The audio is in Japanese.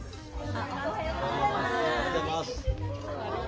おはようございます。